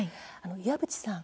岩渕さん